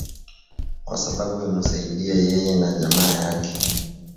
kwa sababu imusaidie yeye na jamaa yake